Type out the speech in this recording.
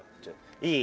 いい？